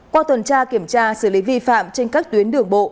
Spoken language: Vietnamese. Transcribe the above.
qua tuần tra kiểm tra xử lý vi phạm trên các tuyến đường bộ